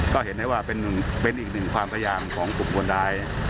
ก็เห็นได้ว่าเป็นอีกหนึ่งความทะยามของกลุ่มคนร้าย